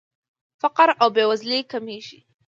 فقر او بېوزلي کمیږي.